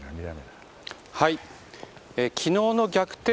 昨日の逆転